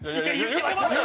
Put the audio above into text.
言ってましたよ！